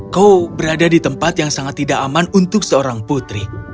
kau berada di tempat yang sangat tidak aman untuk seorang putri